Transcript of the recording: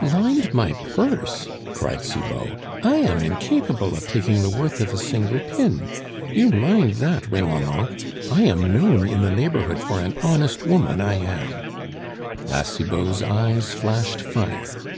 "Lined my purse!" cried Cibot. "I am incapable of taking the worth of a single pin; you mind that, Remonencq! I am known in the neighborhood for an honest woman, I am." La Cibot's eyes flashed fire.